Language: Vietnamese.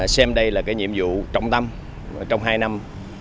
xem đây là cái nhiệm vụ trọng tâm trong hai năm một mươi chín hai mươi